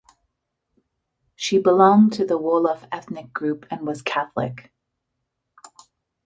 She belonged to the Wolof ethnic group and was Catholic.